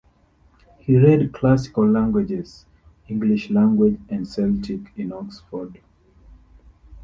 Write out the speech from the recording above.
He read classical languages, English language and Celtic in Oxford.